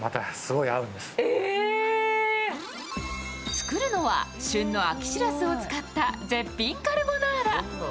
作るのは旬の秋しらすを使った絶品カルボナーラ。